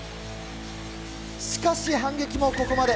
しかし反撃もここまで。